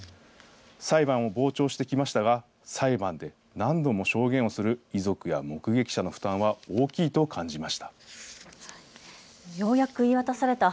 裁判を傍聴してきましたが裁判で何度も証言をする遺族や目撃者の負担は大きいと感じました。